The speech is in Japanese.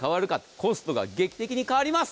コストが劇的に変わります。